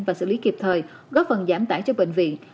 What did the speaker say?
và xử lý kịp thời góp phần giảm tải cho bệnh viện